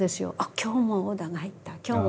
「今日もオーダーが入った」。